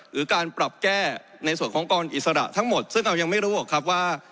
หรือการปรับแก้ในส่วนของกรอิสระทั้งหมดซึ่งเรายังไม่รู้หรอกครับว่า